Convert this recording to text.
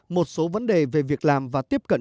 một số vấn đề về việc làm và tiếp cận